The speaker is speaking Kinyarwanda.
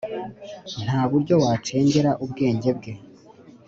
nta buryo wacengera ubwenge bwe.